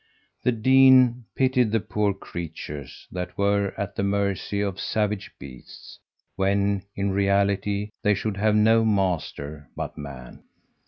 The dean pitied the poor creatures that were at the mercy of savage beasts, when in reality they should have no master but man.